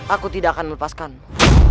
aku tidak akan melepaskanmu